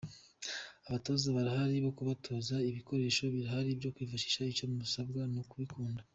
Abatoza barahari bo kubatoza, ibikoresho birahari byo kwifashisha, icyo musabwa ni ukubikunda.